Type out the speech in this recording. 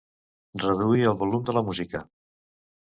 Reduir el volum de la música.